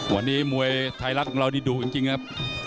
วันนี้มวยไทยรัฐของเรานี่ดุจริงครับ